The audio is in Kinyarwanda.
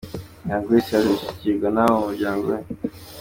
Young Grace yaje gushyigikirwa n’abo mu muryango we.